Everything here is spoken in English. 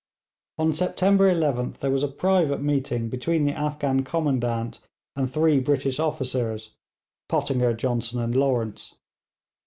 On September 11th there was a private meeting between the Afghan commandant and three British officers, Pottinger, Johnson, and Lawrence.